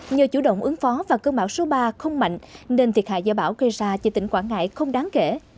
nhờ chủ động ứng phó và cơn bão số ba không mạnh nên thiệt hại do bão gây ra cho tỉnh quảng ngãi không đáng kể